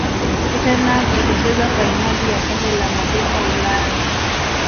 tottenham ilicheza fainali ya kombe la mabingwa ulaya